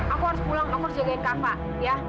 aku harus pulang aku harus jagain kak pak ya